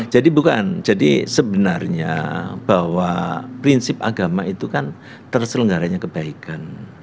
jadi bukan jadi sebenarnya bahwa prinsip agama itu kan terselenggaranya kebaikan